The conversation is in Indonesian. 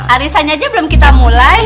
arisannya aja belum kita mulai